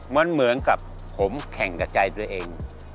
มันเหมือนกับผมแข่งกับใจตัวเอง